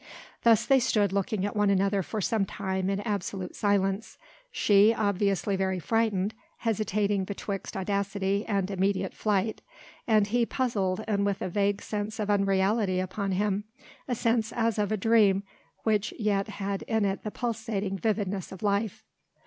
Thus they stood looking at one another for some time in absolute silence; she obviously very frightened, hesitating betwixt audacity and immediate flight, and he puzzled and with a vague sense of unreality upon him, a sense as of a dream which yet had in it the pulsating vividness of life.